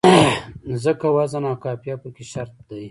ځکه وزن او قافیه پکې شرط دی.